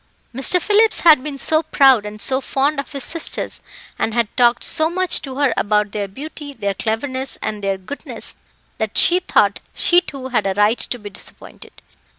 Mr. Phillips had been so proud and so fond of his sisters, and had talked so much to her about their beauty, their cleverness, and their goodness, that she thought she too had a right to be disappointed.